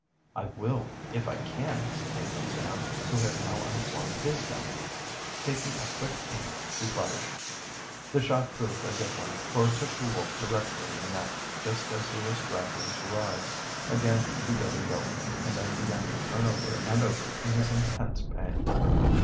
"I will, if I can!" came from Sam, who had now unslung his gun. Taking a quick aim, he fired. The shot proved a good one, for it took the wolf directly in the neck, just as he was scrambling to rise. Again he gave a yelp, and then began to turn over and over in his intense pain.